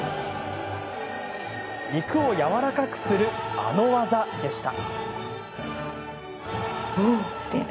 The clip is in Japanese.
肉をやわらかくするあのワザでした。